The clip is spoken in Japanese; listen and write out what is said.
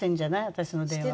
私の電話を。